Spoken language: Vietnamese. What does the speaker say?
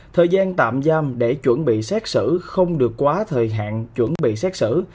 thời gian tạm giam để chuẩn bị xét xử không được quá thời hạn chuẩn bị xét xử